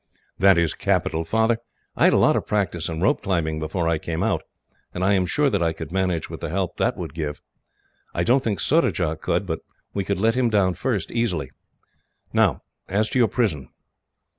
"That is capital, Father. I had a lot of practice in rope climbing, before I came out, and I am sure that I could manage with the help that would give. I don't think Surajah could, but we could let him down first, easily. Now, as to your prison."